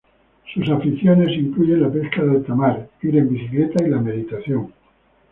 Sus aficiones incluyen la pesca de alta mar, ir en bicicleta y la meditación.